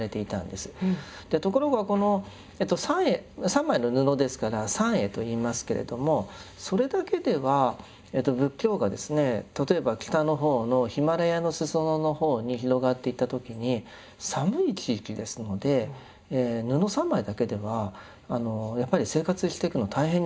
ところがこの３枚の布ですから３衣と言いますけれどそれだけでは仏教が例えば北の方のヒマラヤの裾野の方に広がっていった時に寒い地域ですので布３枚だけではやっぱり生活をしていくの大変になると思います。